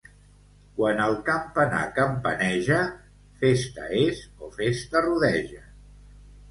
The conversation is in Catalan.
Quan el campanar campaneja, festa és o festa rodeja.